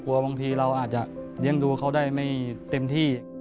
บางทีเราอาจจะเลี้ยงดูเขาได้ไม่เต็มที่